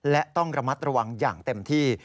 และต้องระมัดระวังอย่างเต็มที่